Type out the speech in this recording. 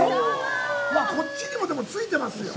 こっちにも付いてますよ。